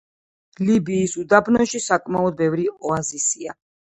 ლიბიის უდაბნოში საკმაოდ ბევრი ოაზისია.